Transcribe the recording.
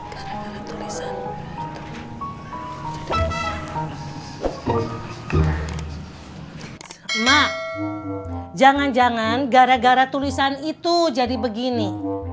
jangan jangan gara gara tulisan itu jadi begini